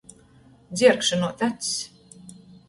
Dzierkšynuot acs.